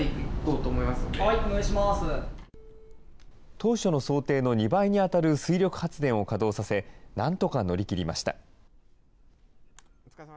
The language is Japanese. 当初の想定の２倍に当たる水力発電を稼働させ、なんとか乗り切りました。